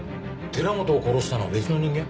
寺本を殺したのは別の人間？